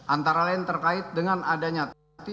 antara lain terkait dengan adanya tindak adat